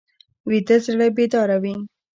ویده زړه بیداره وي